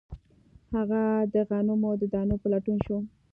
هغه د غنمو د دانو په لټون شو